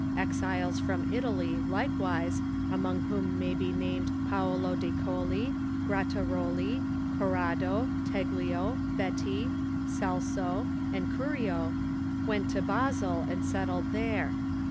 Exiles from Italy, likewise, among whom may be named Paolo di Colli, Grataroli, Corrado, Teglio, Betti, Celso, and Curio, went to Basel, and settled there.